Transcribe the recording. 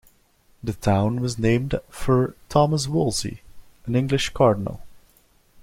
The town was named for Thomas Wolsey, an English cardinal.